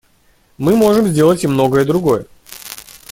Мы можем сделать и многое другое.